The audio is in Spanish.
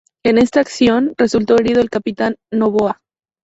En esta acción resultó herido el capitán Novoa.